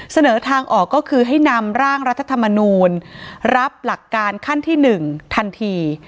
เสนอทางออกก็คือให้นำร่างรัฐธรรมนูลรับหลักการขั้นที่๑ทันที